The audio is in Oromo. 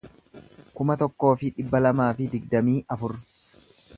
kuma tokkoo fi dhibba lamaa fi digdamii afur